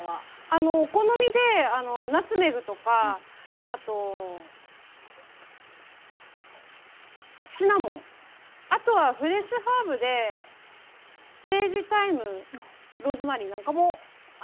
あのお好みでナツメグとかあとシナモンあとはフレッシュハーブでセージタイムローズマリーなんかも合いますね。